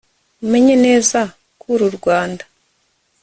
umenye neza k' uru rwanda